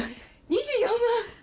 ２４万！